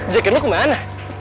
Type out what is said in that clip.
jaket lo kemana